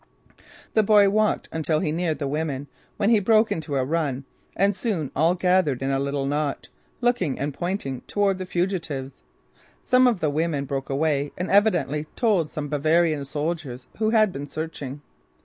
The boy walked until he neared the women, when he broke into a run and soon all gathered in a little knot, looking and pointing toward the fugitives. Some of the women broke away and evidently told some Bavarian soldiers who had been searching.